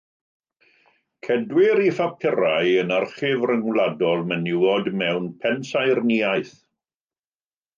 Cedwir ei phapurau yn Archif Ryngwladol Menywod mewn Pensaernïaeth.